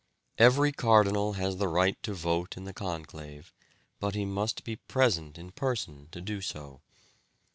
Every cardinal has the right to vote in the conclave, but he must be present in person to do so.